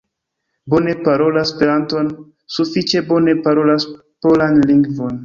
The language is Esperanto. Bone parolas esperanton, sufiĉe bone parolas polan lingvon.